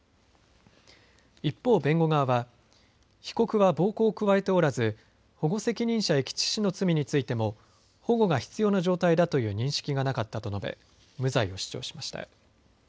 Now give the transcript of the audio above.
一方、弁護側は被告は暴行を加えておらず保護責任者遺棄致死の罪についても保護が必要な状態だという認識がなかったと述べ無罪を主張しました。